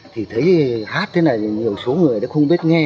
thì thấy hát thế này thì nhiều số người nó không biết nghe